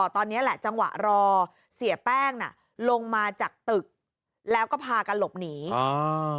ตอนนี้แหละจังหวะรอเสียแป้งน่ะลงมาจากตึกแล้วก็พากันหลบหนีอ่า